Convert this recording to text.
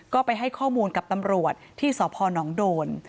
ก็ไปให้ข้อมูลกับตำรวจที่สพนโดน